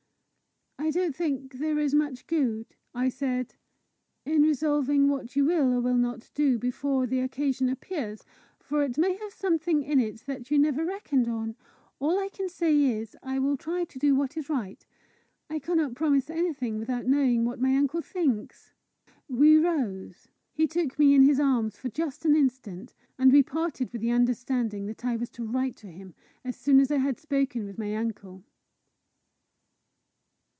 "I don't think there is much good," I said, "in resolving what you will or will not do, before the occasion appears, for it may have something in it you never reckoned on. All I can say is, I will try to do what is right. I cannot promise anything without knowing what my uncle thinks." We rose; he took me in his arms for just an instant; and we parted with the understanding that I was to write to him as soon as I had spoken with my uncle.